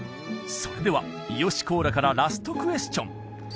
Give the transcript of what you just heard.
それでは伊良コーラからラストクエスチョン！